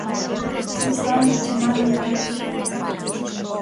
Xusto onte chamáronme varias axencias.